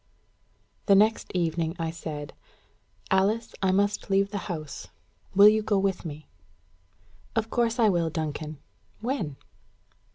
The next evening I said, "Alice, I must leave the house: will you go with me?" "Of course I will, Duncan. When?"